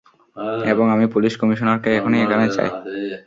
এবং আমি পুলিশ কমিশনারকে এখনই এখানে চাই!